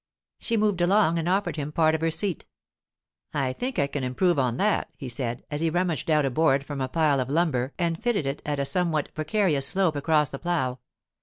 She moved along and offered him part of her seat. 'I think I can improve on that,' he said, as he rummaged out a board from a pile of lumber and fitted it at a somewhat precarious slope across the plough.